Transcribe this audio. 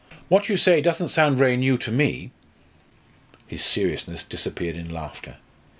What you say doesn't sound very new to me!" His seriousness disappeared in laughter.